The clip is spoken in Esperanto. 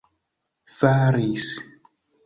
faris